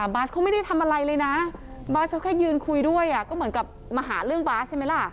บาสเขาไม่ได้ทำอะไรเลยนะบาสเขาแค่ยืนคุยด้วยก็เหมือนกับมาหาเรื่องบาสใช่ไหมล่ะ